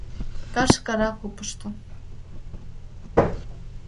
Карш кара купышто.